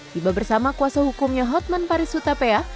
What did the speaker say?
tiba bersama kuasa hukumnya hotman paris hutapea